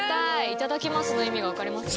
いただきますの意味が分かりますね。